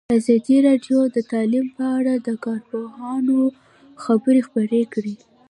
ازادي راډیو د تعلیم په اړه د کارپوهانو خبرې خپرې کړي.